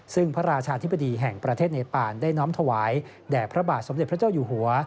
ซึ่งพระราชาธิบดีแห่งประเทศเนปานได้น้อมถวายแด่พระบาทสมเด็จพระเจ้าอยู่หัว